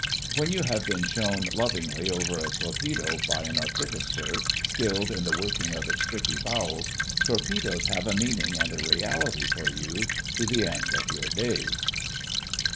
When you have been shown lovingly over a torpedo by an artificer skilled in the working of its tricky bowels, torpedoes have a meaning and a reality for you to the end of your days.